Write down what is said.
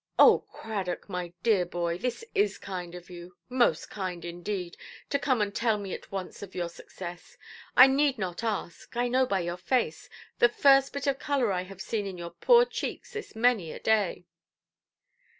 "Oh, Cradock, my dear boy, this is kind of you; most kind, indeed, to come and tell me at once of your success. I need not ask—I know by your face; the first bit of colour I have seen in your poor cheeks this many a day".